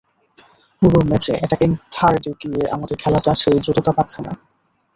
পুরো ম্যাচে অ্যাটাকিং থার্ডে গিয়ে আমাদের খেলাটা সেই দ্রুততা পাচ্ছে না।